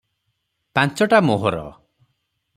ପାଞ୍ଚଟା ମୋହର ।